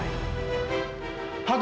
aku bukan fadil yang baik